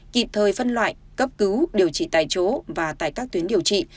kịp thời phân loại cấp cứu điều trị tại chỗ và tại các tuyến điều trị